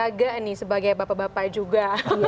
harus jaga nih sebagai bapak bapak juga